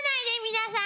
皆さん。